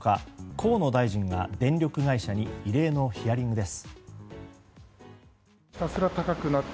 河野大臣が電力会社に異例のヒアリングです。